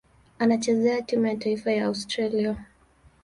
Anachezea timu ya taifa ya Australia.